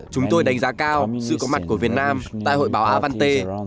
chúng tôi đánh giá cao sự có mặt của việt nam tại hội báo avante